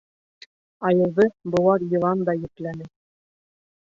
Айыуҙы быуар йылан да йөпләне.